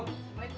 udah yang kata